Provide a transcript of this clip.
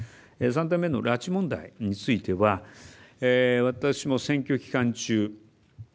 ３点目の拉致問題については私も選挙期間中